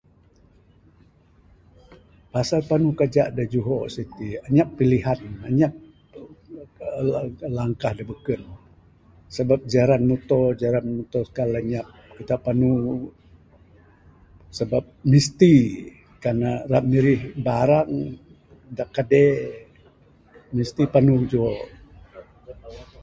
Pasal panu kejak dak juho siti inyap pilihan inyap aaa langkah dak beken, sebab jeran muto, jeran mutosikal inyap kita panu sebab mesti kan ne ra mirih barang dak kede mesti panu juho.